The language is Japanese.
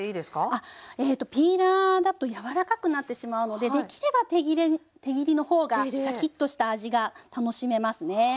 あっえとピーラーだと柔らかくなってしまうのでできれば手切れ手切りの方がシャキッとした味が楽しめますね。